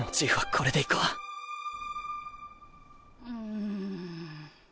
うん。